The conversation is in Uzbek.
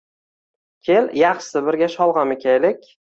Kel, yaxshisi birga sholg’om ekaylik